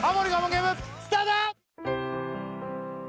ゲームスタート